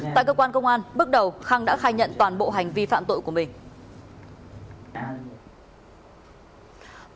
tại cơ quan công an bước đầu khang đã khai nhận toàn bộ hành vi phạm tội của mình